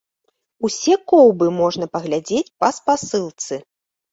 Усе коўбы можна паглядзець па спасылцы.